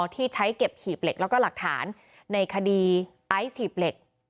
ที่ใช้เก็บหีบเหล็กแล้วก็หลักฐานในคดีไอซ์หีบเหล็ก